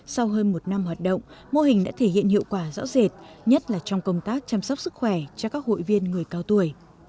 sau hơn một năm hoạt động mô hình đã thể hiện hiệu quả rõ rệt nhất là trong công tác chăm sóc sức khỏe cho các hội viên người cao tuổi